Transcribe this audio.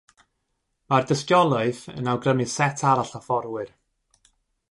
Mae'r dystiolaeth yn awgrymu set arall o fforwyr.